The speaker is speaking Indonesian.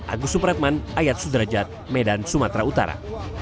agus supratman ayat sudrajat medan sumatera utara